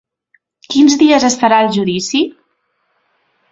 Quins dies es farà el judici?